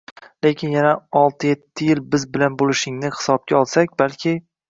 lekin yana olti- yetti yil biz bilan bo‘lishingni hisobga olsak, balki…